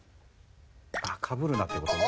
かぶるなってことね。